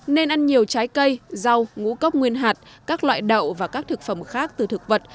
nên ăn nhiều trái cây rau ngũ cốc nguyên hạt các loại đậu và các thực phẩm khác từ thực vật